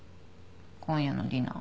今夜のディナー。